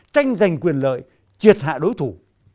tranh giành quyền lợi triệt hạ đối thủ